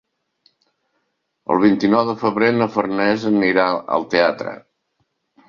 El vint-i-nou de febrer na Farners anirà al teatre.